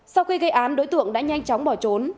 sau khi gây án đối tượng đã nhanh chóng bỏ trốn